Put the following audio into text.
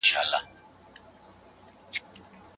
د صنايعو پر کيفيت څه اغېز درلود؟